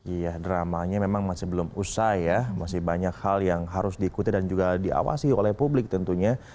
iya dramanya memang masih belum usai ya masih banyak hal yang harus diikuti dan juga diawasi oleh publik tentunya